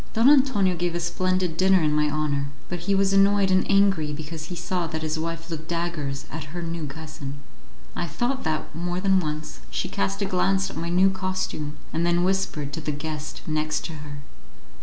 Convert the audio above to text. Don Antonio gave a splendid dinner in my honour, but he was annoyed and angry because he saw that his wife looked daggers at her new cousin. I thought that, more than once, she cast a glance at my new costume, and then whispered to the guest next to her.